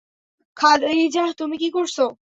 খাদিজাহ, তুমি কি করছো?